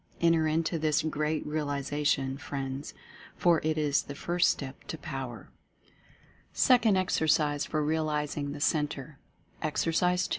Enter into this Great Realization, friends, for it is The First Step to Power. i&2 Mental Fascination SECOND EXERCISE FOR REALIZING THE CENTRE. Exercise II.